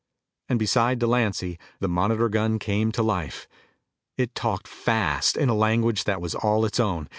And beside Delancy, the Monitor gun came to life. It talked fast in a language that was all its own.